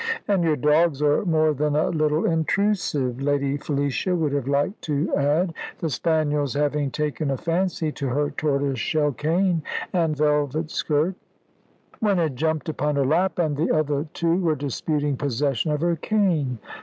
"And your dogs are more than a little intrusive," Lady Felicia would have liked to add, the spaniels having taken a fancy to her tortoiseshell cane and velvet skirt. One had jumped upon her lap, and the other two were disputing possession of her cane.